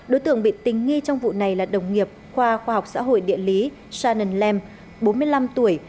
đối tượng bị tình nghi trong vụ này là đồng nghiệp khoa khoa học xã hội địa lý sannen lem bốn mươi năm tuổi